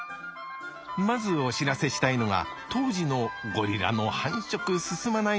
まずお知らせしたいのが当時のゴリラの繁殖進まない問題です。